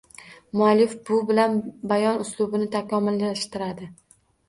Muallif bu bilan bayon uslubini takomillashtiradi